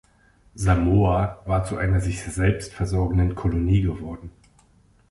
Samoa war zu einer sich selbst versorgenden Kolonie geworden.